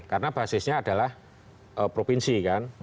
karena basisnya adalah provinsi kan